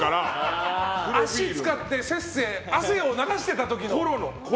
足を使って汗を流してた時の。